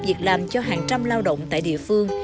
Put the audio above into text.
việc làm cho hàng trăm lao động tại địa phương